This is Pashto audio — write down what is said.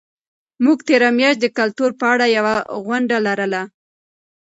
موږ تېره میاشت د کلتور په اړه یوه غونډه لرله.